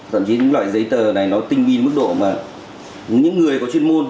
thậm chí những loại giấy tờ này nó tinh vi mức độ mà những người có chuyên môn